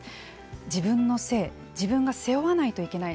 自分の性自分が背負わないといけない